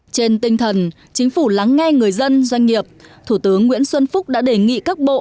trên tinh thần chính phủ lắng nghe người dân doanh nghiệp thủ tướng nguyễn xuân phúc đã đề nghị các bộ